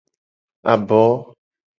Abo.